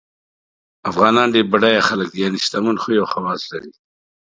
افغانان ډېر بډایه خلګ دي یعنی شتمن خوی او خواص لري